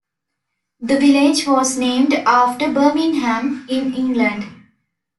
The village was named after Birmingham, in England.